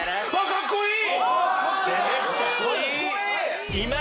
かっこいい。